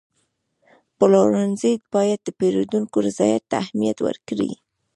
پلورنځی باید د پیرودونکو رضایت ته اهمیت ورکړي.